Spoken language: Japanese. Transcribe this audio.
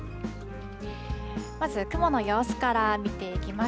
まず、雲の様子から見ていきます。